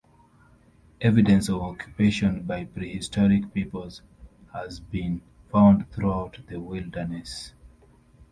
Evidence of occupation by prehistoric peoples has been found throughout the wilderness.